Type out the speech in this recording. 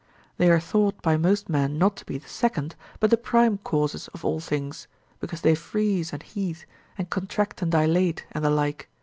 They are thought by most men not to be the second, but the prime causes of all things, because they freeze and heat, and contract and dilate, and the like.